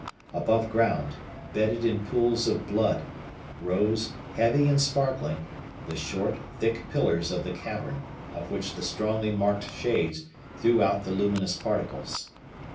Above ground, bedded in pools of blood, rose, heavy and sparkling, the short, thick pillars of the cavern, of which the strongly marked shades threw out the luminous particles.